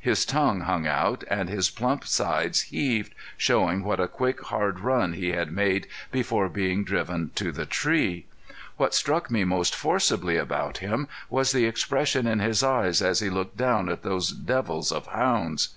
His tongue hung out, and his plump sides heaved, showing what a quick, hard run he had made before being driven to the tree. What struck me most forcibly about him was the expression in his eyes as he looked down at those devils of hounds.